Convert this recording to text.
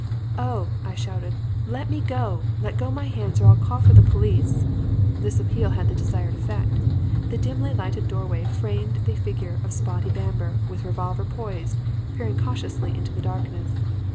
"'Oh!' I shouted, 'Let me go! Let go my hands or I'll call for the police!' "This appeal had the desired effect. The dimly lighted doorway framed the figure of Spotty Bamber, with revolver poised, peering cautiously into the darkness.